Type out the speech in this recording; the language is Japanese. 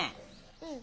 うん。